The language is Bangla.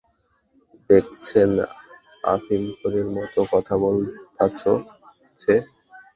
দেখসেন, আফিমখোরের মত, কথা বলতাছে।